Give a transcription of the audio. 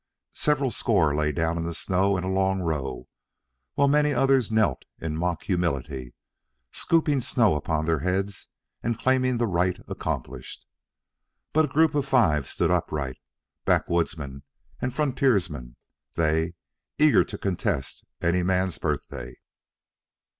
Several score lay down in the snow in a long row, while many others knelt in mock humility, scooping snow upon their heads and claiming the rite accomplished. But a group of five stood upright, backwoodsmen and frontiersmen, they, eager to contest any man's birthday.